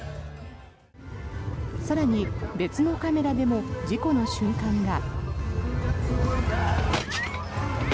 更に、別のカメラでも事故の瞬間が。